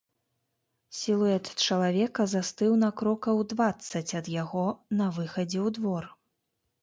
Сілуэт чалавека застыў на крокаў дваццаць ад яго, на выхадзе ў двор.